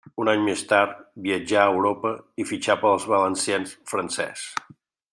Un any més tard viatjà a Europa i fitxà pel Valenciennes francès.